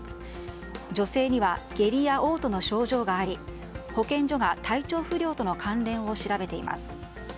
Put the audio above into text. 女性には下痢や嘔吐の症状があり保健所が体調不良との関連を調べています。